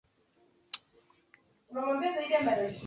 iwapo ule mchezaji utamtambua kwamba ni muhimu